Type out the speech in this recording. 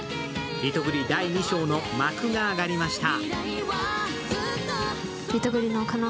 リトグリ第２章の幕が上がりました